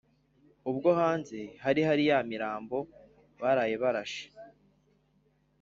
ubwo hanze hari ya imirambo baraye barashe